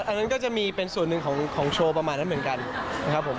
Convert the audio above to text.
อันนั้นก็จะมีเป็นส่วนหนึ่งของโชว์ประมาณนั้นเหมือนกันนะครับผม